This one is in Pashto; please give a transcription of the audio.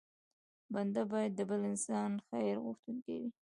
بنده بايد د بل انسان خیر غوښتونکی وي.